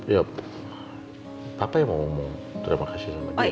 ya papa yang mau ngomong terima kasih sama dia